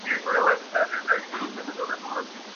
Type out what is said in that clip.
له احوال د وطنونو باخبره!.